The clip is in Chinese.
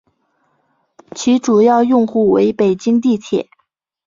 其主要用户为北京地铁。